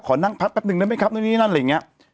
นั่งพักแป๊บนึงได้ไหมครับนู่นนี่นั่นอะไรอย่างนี้